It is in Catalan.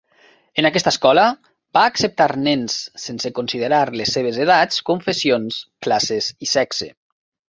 En aquesta escola, va acceptar nens sense considerar les seves edats, confessions, classes i sexe.